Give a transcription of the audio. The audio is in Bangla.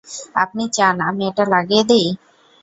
আপনি চান আমি এটা লাগিয়ে দেই?